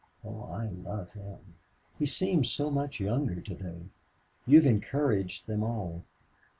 Oh, I love him!... He seems so much younger today. You have encouraged them all...